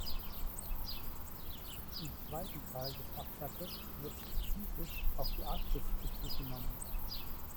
Im zweiten Teil des Absatzes wird spezifisch auf die Arktis Bezug genommen.